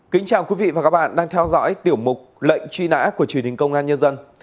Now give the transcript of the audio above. kính chào quý vị và các bạn đang theo dõi tiểu mục lệnh truy nã của truyền hình công an nhân dân